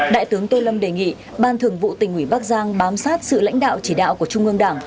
đại tướng tô lâm đề nghị ban thường vụ tỉnh ủy bắc giang bám sát sự lãnh đạo chỉ đạo của trung ương đảng